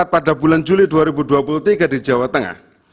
lima ratus enam puluh empat pada bulan juli dua ribu dua puluh tiga di jawa tengah